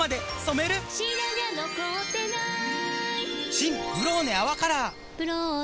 新「ブローネ泡カラー」「ブローネ」